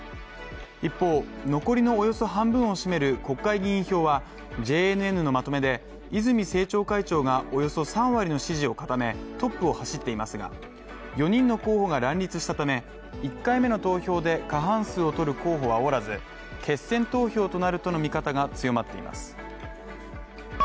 一方、残りのおよそ半分を占める国会議員票はＪＮＮのまとめで泉政調会長がおよそ３割の支持を固め、トップを走っていますが、４人の候補が乱立したため、１回目の投票で過半数を取る候補はおらず、決選投票となるとの見方が強まっています。